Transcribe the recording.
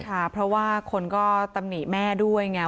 ค่ะเพราะว่าคนก็ตำหนิแม่ด้วยไง